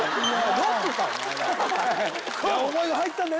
思いが入ったんだね